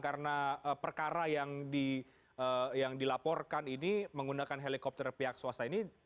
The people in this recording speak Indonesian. karena perkara yang dilaporkan ini menggunakan helikopter pihak swasta ini